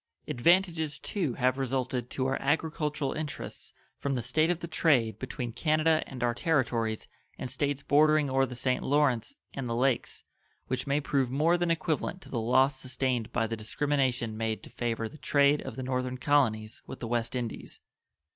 Advantages, too, have resulted to our agricultural interests from the state of the trade between Canada and our Territories and States bordering or the St. Lawrence and the Lakes which may prove more than equivalent to the loss sustained by the discrimination made to favor the trade of the northern colonies with the West Indies.